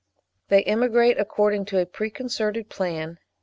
They emigrate according to a preconcerted plan.